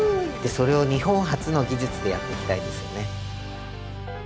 それを日本発の技術でやっていきたいですよね。